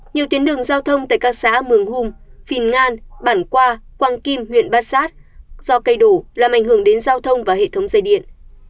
nhiều tuyến đường giao thông tại các xã mường hùng phìn ngan bản qua quang kim huyện bát sát do cây đủ làm ảnh hưởng đến giao thông và hệ thống dây điện